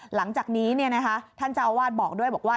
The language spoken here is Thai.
หลังจากนี้ท่านเจ้าอาวาสบอกด้วยบอกว่า